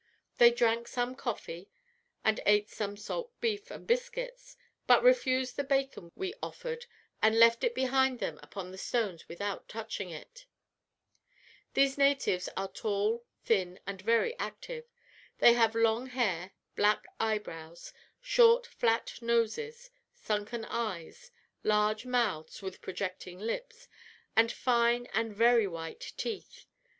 They drank some coffee, and ate some salt beef and biscuits, but refused the bacon we offered, and left it behind them upon the stones without touching it. "These natives are tall, thin, and very active. They have long hair, black eyebrows, short flat noses, sunken eyes, large mouths, with projecting lips, and fine and very white teeth.